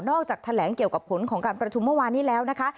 จากแถลงเกี่ยวกับผลของการประชุมเมื่อวานนี้แล้วนะคะ